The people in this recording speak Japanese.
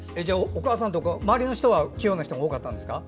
お母さんとか周りの人は器用な人が多かったんですか？